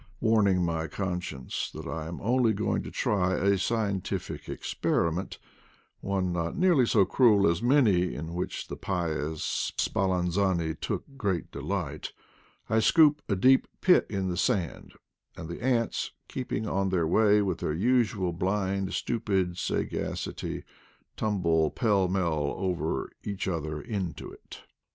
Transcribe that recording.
Warning my conscience that I am only going to try a scientific experiment, one not nearly so cruel as many in which the pious Spallanzani took great delight, I scoop a deep pit in the sand; and the ants, keeping on their way with their usual blind, stupid sagacity, tumble pell mell over each other into it.